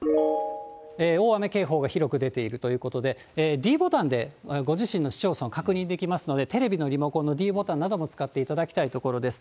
大雨警報が広く出ているということで、ｄボタンでご自身の市町村、確認できますので、テレビのリモコンのｄボタンなども使っていただきたいところです。